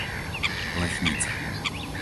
Lechnica